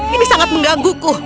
ini sangat menggangguku